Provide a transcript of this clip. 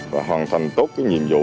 và hoàn thành tốt cái nhiệm vụ